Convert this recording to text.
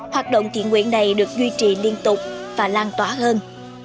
hoạt động thiện nguyện này được duy trì liên tục và lan tỏa hơn